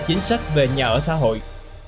chính sách về nhà ở xã hội